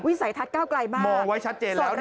สัยทัศน์ก้าวไกลมากมองไว้ชัดเจนแล้วนะ